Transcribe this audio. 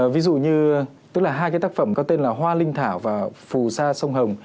ví dụ như tức là hai cái tác phẩm có tên là hoa linh thảo và phù sa sông hồng